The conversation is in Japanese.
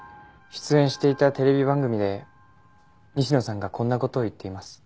出演していたテレビ番組で西野さんがこんな事を言っています。